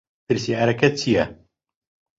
پرسیارەکە چییە؟